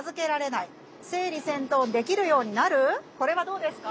これはどうですか？